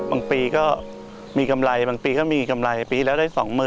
บางปีก็มีกำไรบางปีก็มีกำไรปีแล้วได้๒๐๐๐